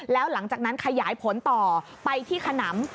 แล้วหลังจากนั้นขยายผลต่อไปที่ขนำ